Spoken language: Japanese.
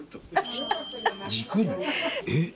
えっ？